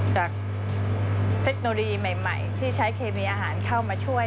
เทคโนโลยีใหม่ที่ใช้เคมีอาหารเข้ามาช่วย